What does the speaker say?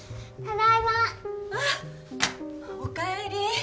あっおかえり。